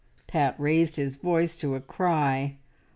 Pat raised his voice to a cry.